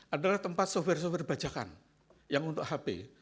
adalah tempat software software bajakan yang untuk hp